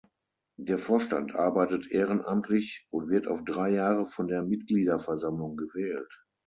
Der Vorstand arbeitet ehrenamtlich und wird auf drei Jahre von der Mitgliederversammlung gewählt.